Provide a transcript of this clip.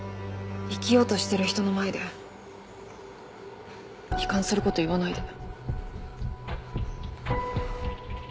生きようとしてる人の前で悲観すること言わないで。